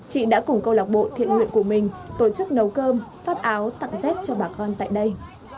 chị đã cùng câu lạc bộ thiện nguyện của mình tổ chức nấu cơm phát áo tặng dép cho bà con tại đây